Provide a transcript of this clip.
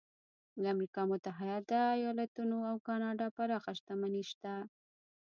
د امریکا متحده ایالتونو او کاناډا پراخه شتمني شته.